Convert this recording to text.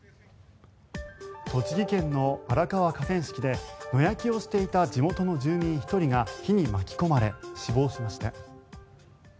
栃木県の荒川河川敷で野焼きをしていた地元の住民１人が火に巻き込まれ死亡しました。